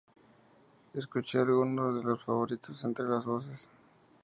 Escuche algunos de los favoritos entre las voces".